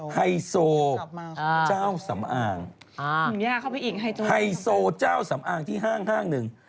ไฮโซเจ้าสำอางหายโซเจ้าสำอางที่ห้างนึง